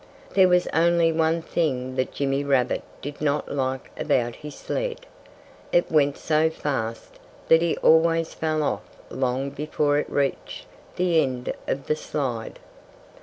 There was only one thing that Jimmy Rabbit did not like about his sled. It went so fast that he always fell off long before he reached the end of the slide.